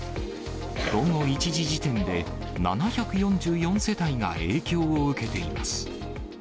午後１時時点で、７４４世帯が影響を受けています。